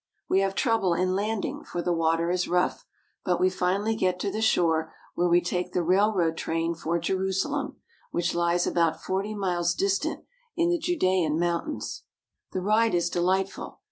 We have trouble in landing, for the water is rough; but we finally get to the shore, where we take the railroad train for Jerusalem, which lies about forty miles distant in the Judean Mountains. The ride is delightful.